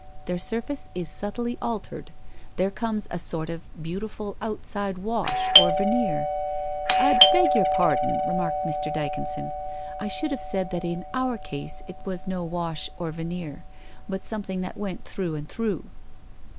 Their surface is subtly altered, there comes a sort of beautiful outside wash or veneer *' I beg your pardon,' remarked Mr. Dyconson, ' I should have said that in our case it was no wash or veneer, but something that went through and through.'